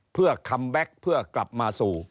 เพื่อคัมแบ็คเพื่อกลับมาสู่